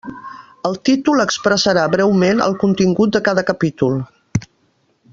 El títol expressarà breument el contingut de cada capítol.